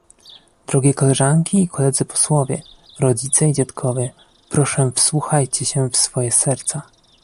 Drogie koleżanki i koledzy posłowie, rodzice i dziadkowie, proszę wsłuchajcie się w swoje serca